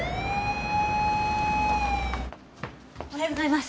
おはようございます。